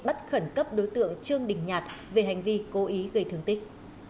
bắt khẩn cấp đối tượng trương đình nhạt về hành vi cố ý gây thương tích